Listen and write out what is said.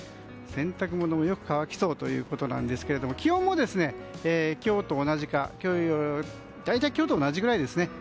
洗濯物もよく乾きそうということですが気温も今日と同じくらいですね。